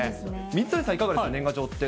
水谷さん、いかがですか、年賀状って。